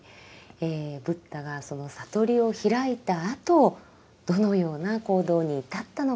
ブッダがその悟りを開いたあとどのような行動に至ったのか。